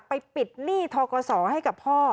ไปปิดหนี้ทกศให้กับพ่อ